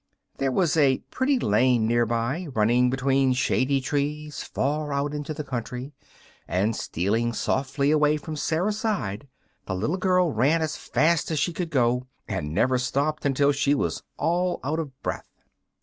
There was a pretty lane near by, running between shady trees far out into the country, and, stealing softly away from Sarah's side, the little girl ran as fast as she could go, and never stopped until she was all out of breath.